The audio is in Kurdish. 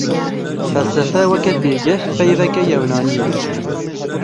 Felsefe weke têgih peyveke yewnanî ye.